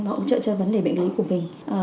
và hỗ trợ cho vấn đề bệnh lý của mình